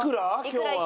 今日は。